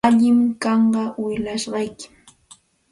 Allinmi kanqa willashqaykim.